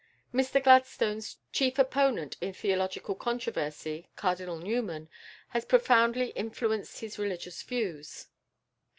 Mr Gladstone's chief opponent in theological controversy, Cardinal Newman, has profoundly influenced his religious views.